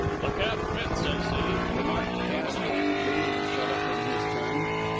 "The cap fits, I see," remarked Cass, pointedly, and shut up in his turn.